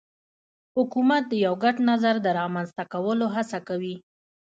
حکومت د یو ګډ نظر د رامنځته کولو هڅه کوي